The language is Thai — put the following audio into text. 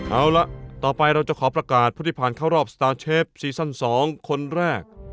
เอาละต่อไปเราจะขอประกาศผู้ที่ผ่านเข้ารอบสตาร์เชฟซีซั่น๒คนแรก